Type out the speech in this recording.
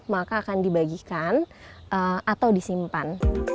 maka akan dibagikan atau disimpan